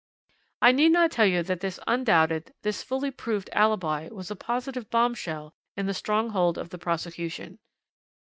"I need not tell you that this undoubted, this fully proved, alibi was a positive bombshell in the stronghold of the prosecution.